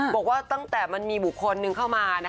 บอกว่าตั้งแต่มันมีหมู่คนนึงเข้ามานะคะ